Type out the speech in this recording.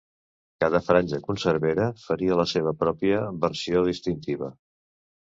Cada granja cervesera faria la seva pròpia versió distintiva.